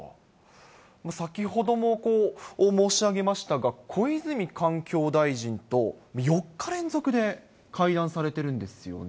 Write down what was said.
先ほども、申し上げましたが、小泉環境大臣と４日連続で会談されてるんですよね。